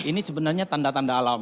ini sebenarnya tanda tanda alam